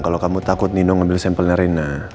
kalau kamu takut nino ngambil sampel nerina